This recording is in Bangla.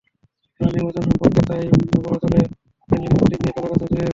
এবারের নির্বাচন সম্পর্কে তাই বলা চলে, এনএলডির প্রতীক নিয়ে কলাগাছও জয়ী হয়েছে।